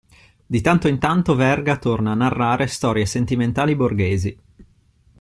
Di tanto in tanto Verga torna a narrare storie sentimentali borghesi.